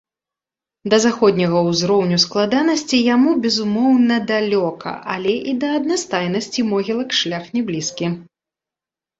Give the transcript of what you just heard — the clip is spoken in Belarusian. Да заходняга ўзроўню складанасці яму, безумоўна, далёка, але і да аднастайнасці могілак шлях няблізкі.